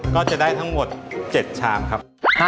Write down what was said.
ก็จะได้ทั้งหมด๗ชามครับ